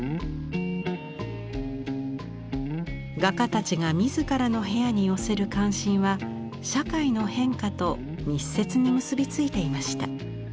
画家たちが自らの部屋に寄せる関心は社会の変化と密接に結び付いていました。